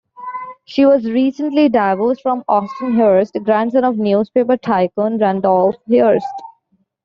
She was recently divorced from Austin Hearst, grandson of newspaper tycoon Randolph Hearst.